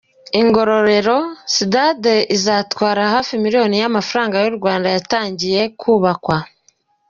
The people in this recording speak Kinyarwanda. I Ngororero; stade izatwara hafi miliyari y’amafaranga y’u Rwanda yatangiye kubakwa.